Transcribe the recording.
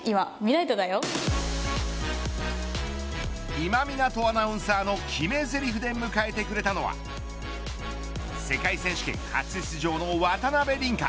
今湊アナウンサーの決めぜりふで迎えてくれたのは世界選手権初出場の渡辺倫果。